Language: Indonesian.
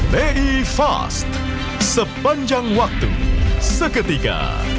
bi fast sepanjang waktu seketika